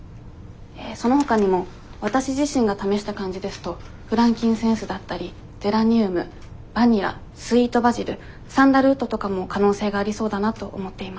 えそのほかにもわたし自身が試した感じですとフランキンセンスだったりゼラニウムバニラスイートバジルサンダルウッドとかも可能性がありそうだなと思っています。